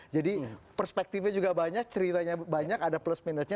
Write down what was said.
jadi perspektifnya juga banyak ceritanya banyak ada plus minusnya